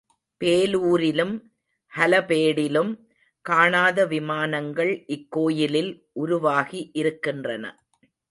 பேலூரிலும் ஹலபேடிலும் காணாத விமானங்கள் இக்கோயிலில் உருவாகி இருக்கின்றன.